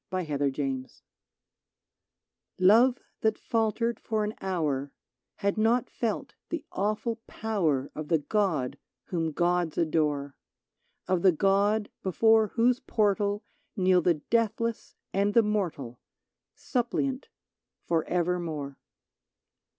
95 LOVE THAT FALTERED T OVE that faltered for an hour Had not felt the awful power Of the god whom gods adore ; Of the god before whose portal Kneel the deathless and the mortal, • Suppliant forever more.